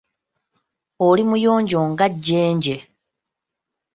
Oli muyonjo nga jjenje.